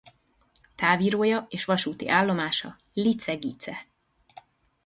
Távírója és vasúti állomása Licze-Gicze.